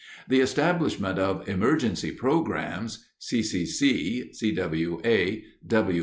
The establishment of "emergency programs," C.C.C.